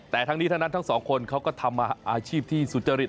แต่ทั้งนี้ทั้งนั้นทั้งสองคนเขาก็ทำอาชีพที่สุจริต